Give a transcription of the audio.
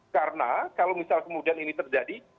karena kalau misal kemudian ini terjadi